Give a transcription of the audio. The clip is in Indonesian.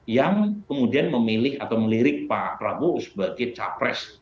yang kemudian memilih atau melirik pak prabowo sebagai capres